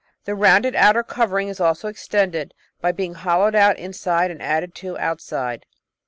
The rounded outer covering is also extended, by being hollowed out inside and added to outside.